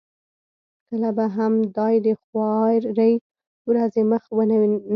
کله به هم دای د خوارې ورځې مخ نه وویني.